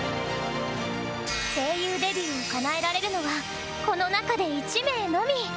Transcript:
声優デビューをかなえられるのはこの中で１名のみ。